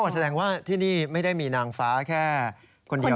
แสดงว่าที่นี่ไม่ได้มีนางฟ้าแค่คนเดียว